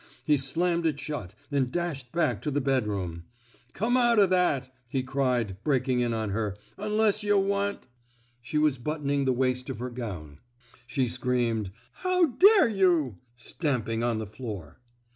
He slammed it shut, and dashed back to the bedroom. V Come out o' that! '' he cried, breaking in on her. Unless yuh want —" She was buttoning the waist of her gown. She screamed, How dare you! '' stamping on the floor.